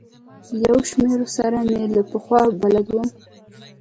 له یو شمېرو سره مې له پخوا بلد وم.